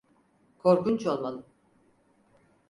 Korkunç olmalı.